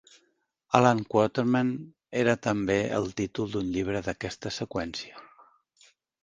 "Allan Quatermain" era també el títol d'un llibre d'aquesta seqüència.